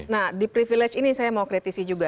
nah di privilege ini saya mau kritisi juga